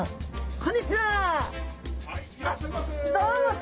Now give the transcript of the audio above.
こんにちは。